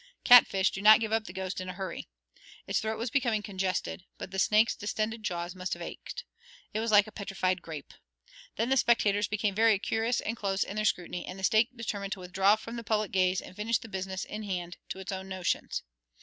Cat fish do not give up the ghost in a hurry. Its throat was becoming congested, but the snake's distended jaws must have ached. It was like a petrified gape. Then the spectators became very curious and close in their scrutiny, and the snake determined to withdraw from the public gaze and finish the business in hand to its own notions.